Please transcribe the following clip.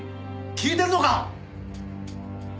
聞いてるのか？